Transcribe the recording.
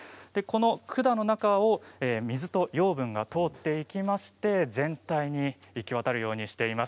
管の中を水と養分が通っていきまして全体に行き渡るようにしています。